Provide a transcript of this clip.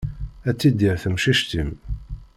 Ad tidir temcict-im.